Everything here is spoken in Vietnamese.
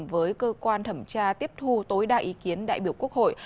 với cơ quan thẩm tra tiếp thu tối đa ý kiến đại biểu quốc hội